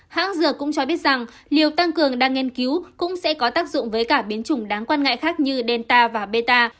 hãng dược cũng cho biết rằng liều tăng cường đa nghiên cứu cũng sẽ có tác dụng với cả biến chủng đáng quan ngại khác như delta và beta